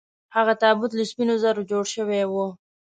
هغه تابوت له سپینو زرو جوړ شوی و.